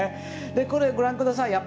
これご覧ください。